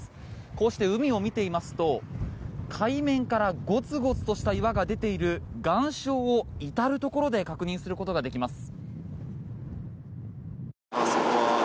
こうして海を見ていますと海面からごつごつとした岩が出ている岩礁を至るところで確認することができます。